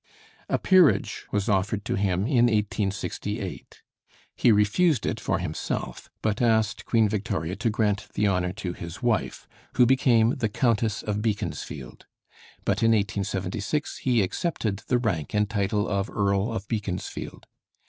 A peerage was offered to him in 1868. He refused it for himself, but asked Queen Victoria to grant the honor to his wife, who became the Countess of Beaconsfield. But in 1876 he accepted the rank and title of Earl of Beaconsfield.